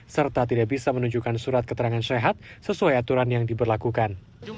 serta tidak bisa menunjukkan surat keterangan sehat sesuai aturan yang diberlakukan